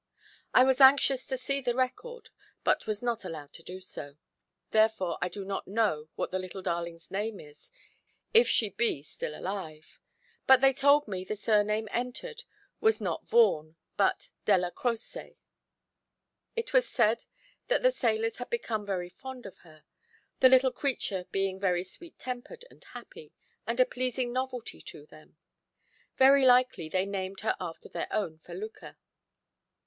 I was anxious to see the record, but was not allowed to do so; therefore I do not know what the little darling's name is, if she be still alive: but they told me that the surname entered was not Vaughan, but Della Croce. It was said that the sailors had become very fond of her, the little creature being very sweet tempered and happy, and a pleasing novelty to them. Very likely they named her after their own felucca.